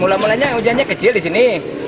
ujannya kecil di sini